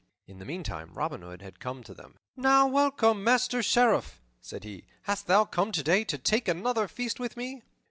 In the meantime Robin Hood had come to them. "Now welcome, Master Sheriff," said he. "Hast thou come today to take another feast with me?"